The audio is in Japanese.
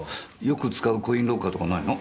よく使うコインロッカーとかないの？